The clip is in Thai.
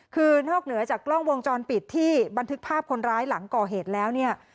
คือนอกเหนือจากกล้องวงจรปิดที่บันทึกภาพคนร้ายหลังก่อเหตุแล้วเนี่ย